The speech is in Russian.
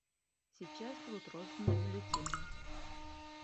Сейчас будут розданы бюллетени.